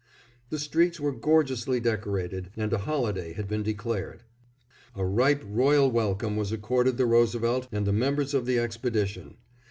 The streets were gorgeously decorated and a holiday had been declared. A ripe, royal welcome was accorded the Roosevelt and the members of the expedition.